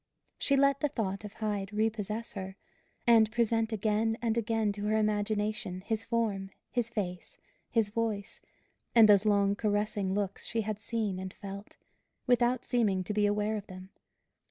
She let the thought of Hyde repossess her; and present again and again to her imagination his form, his face, his voice, and those long caressing looks she had seen and felt, without seeming to be aware of them.